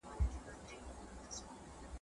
توتکۍ ورته په سرو سترګو ژړله ,